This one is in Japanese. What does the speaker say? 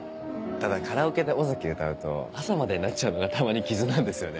ただカラオケで尾崎歌うと朝までになっちゃうのが玉にきずなんですよね。